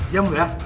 diam gue ya